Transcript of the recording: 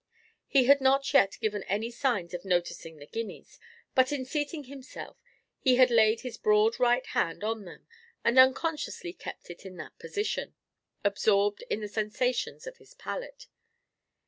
He had not yet given any sign of noticing the guineas, but in seating himself he had laid his broad right hand on them, and unconsciously kept it in that position, absorbed in the sensations of his palate.